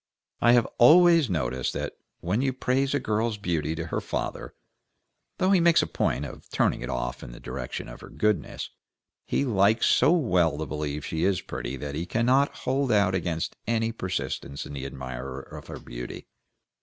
I have always noticed that when you praise a girl's beauty to her father, though he makes a point of turning it off in the direction of her goodness, he likes so well to believe she is pretty that he cannot hold out against any persistence in the admirer of her beauty.